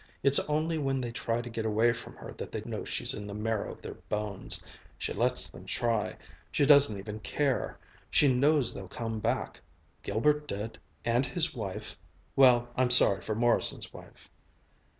It's only when they try to get away from her that they know she's in the marrow of their bones. She lets them try. She doesn't even care. She knows they'll come back. Gilbert did. And his wife ... well, I'm sorry for Morrison's wife."